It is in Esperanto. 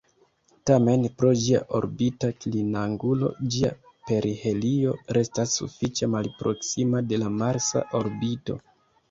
Tamen, pro ĝia orbita klinangulo, ĝia perihelio restas sufiĉe malproksima de la marsa orbito.